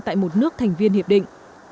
tại một nước thành viên hiệp định